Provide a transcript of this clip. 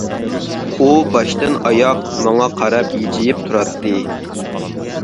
ئۇ باشتىن ئاياغ ماڭا قاراپ ھىجىيىپ تۇراتتى.